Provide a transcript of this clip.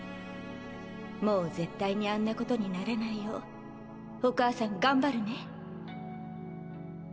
もう絶対にあんなことにならないようお母さん頑張るね」。